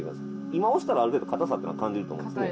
今押したらある程度硬さっていうのは感じると思うんですね